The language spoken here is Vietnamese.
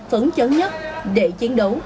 phấn chấn nhất để chiến đấu